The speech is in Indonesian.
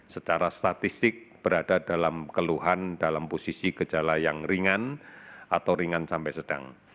secara statistik berada dalam keluhan dalam posisi gejala yang ringan atau ringan sampai sedang